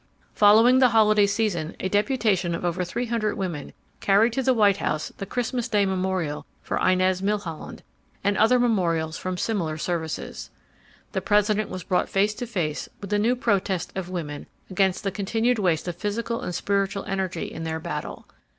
Following the holiday season a deputation of over three hundred women carried to the White House the Christmas Day memorial for Inez Milholland and other memorials from similar services. The President was brought face to face with the new protest of women against the continued waste of physical and spiritual energy in their battle.